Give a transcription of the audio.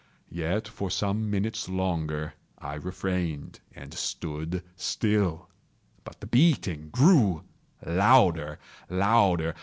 Yet, for some minutes longer I refrained and stood still. But the beating grew louder, louder!